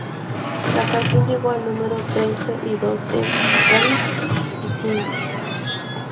La canción llegó al número treinta y dos en "Spanish Singles".